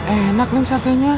eh enak neng satenya